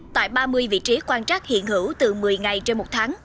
tại ba mươi vị trí quan trắc hiện hữu từ một mươi ngày trên một tháng